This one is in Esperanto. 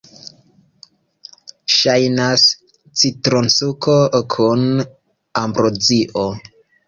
Ŝajnas citronsuko kun ambrozio.